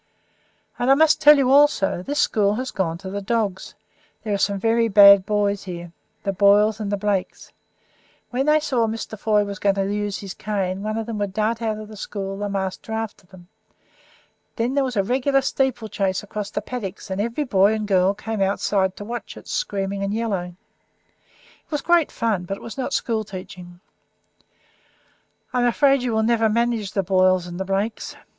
And, I must tell you also this school has gone to the dogs; there are some very bad boys here the Boyles and the Blakes. When they saw Mr. Foy was going to use his cane on them they would dart out of the school, the master after them. Then there was a regular steeplechase across the paddocks, and every boy and girl came outside to watch it, screaming and yelling. It was great fun, but it was not school teaching. I am afraid you will never manage the Boyles and the Blakes.